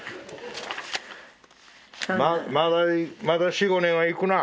まだまだ４５年はいくな。